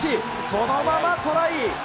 そのままトライ。